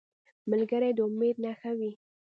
ملګری د امید نښه وي